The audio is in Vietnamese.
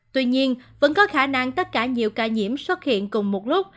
tuy nhiên vẫn có khả năng tất cả nhiều ca nhiễm xuất hiện cùng một lúc